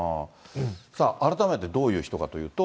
さあ、改めてどういう人かというと。